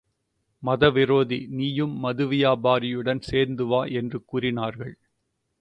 மத விரோதி.நீயும் மது வியாபாரியுடன் சேர்ந்து வா என்று கூறினார்கள்.